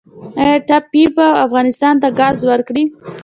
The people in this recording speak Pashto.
آیا ټاپي به افغانستان ته ګاز ورکړي؟